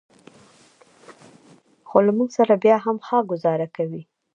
خو له موږ سره بیا هم ښه ګوزاره کوي.